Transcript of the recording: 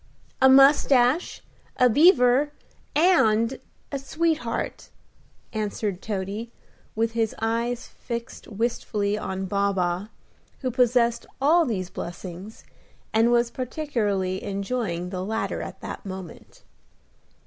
"A mustache, a beaver, and a sweetheart," answered Toady, with his eyes fixed wistfully on Baa baa, who possessed all these blessings, and was particularly enjoying the latter at that moment.